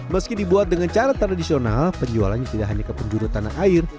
meski dibuat dengan cara tradisional penjualannya tidak hanya ke penjuru tanah air